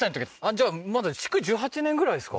じゃあまだ築１８年ぐらいですか？